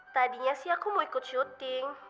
tadinya sih aku mau ikut syuting